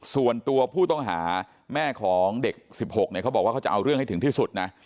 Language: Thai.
ส่วนตัวผู้ต้องหาแม่ของเด็ก๑๖เนี่ยเขาบอกว่าเขาจะเอาเรื่องให้ถึงที่สุดนะ